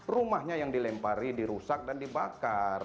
rumahnya yang dilempari dirusak dan dibakar